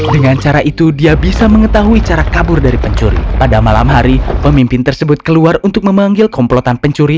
dengan cara itu dia bisa mengetahui cara kabur dari pencuri pada malam hari pemimpin tersebut keluar untuk memanggil komplotan pencuri